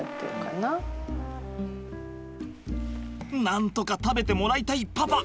なんとか食べてもらいたいパパ。